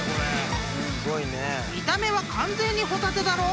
［見た目は完全にホタテだろ？］